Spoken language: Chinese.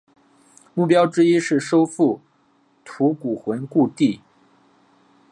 目标之一是收复吐谷浑故地。